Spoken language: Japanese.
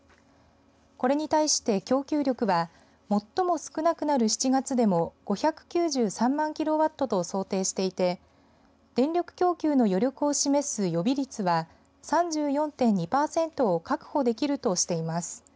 これに対して供給力は最も少なくなる７月でも５９３万キロワットと想定していて電力供給の余力を示す予備率は３４．２パーセントを確保できるとしています。